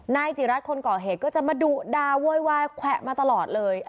นายจิรัตน์คนก่อเหตุก็จะมาดุดาโวยวายแขวะมาตลอดเลย